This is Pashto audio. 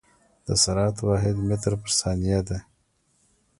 د سرعت واحد متر پر ثانيه ده.